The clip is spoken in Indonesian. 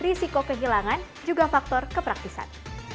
risiko kehilangan juga faktor kepraktisan